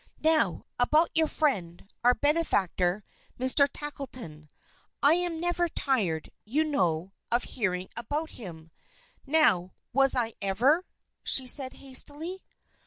"Now, about your friend, our benefactor, Mr. Tackleton I am never tired, you know, of hearing about him. Now, was I ever?" she said hastily.